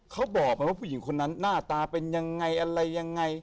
เขาบอกไหมว่าผู้หญิงคนนั้นหน้าตาเป็นยังไงอะไรยังไง